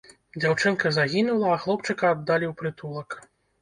Дзяўчынка загінула, а хлопчыка аддалі ў прытулак.